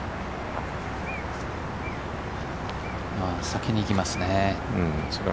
先にいきますね。